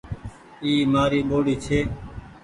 اي مآري ٻوڙي ڇي